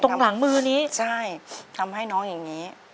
ตรงหลังมือนี้ใช่ทำให้น้องอย่างนี้